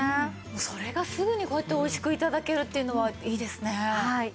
それがすぐにこうやっておいしく頂けるっていうのはいいですね。